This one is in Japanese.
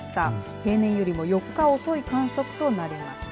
平年よりも４日遅い観測となりました。